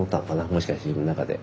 もしかして自分の中で。